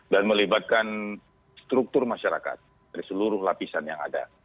melibatkan struktur masyarakat dari seluruh lapisan yang ada